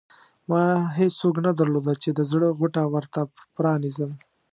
ما هېڅوک نه درلودل چې د زړه غوټه ورته پرانېزم.